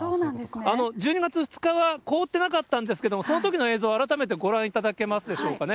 １２月２日は凍ってなかったんですけれども、そのときの映像、改めてご覧いただけますでしょうかね。